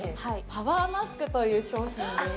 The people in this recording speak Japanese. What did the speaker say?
パワーマスクという商品です